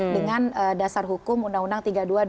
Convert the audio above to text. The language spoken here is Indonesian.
dengan dasar hukum undang undang tiga puluh dua dua ribu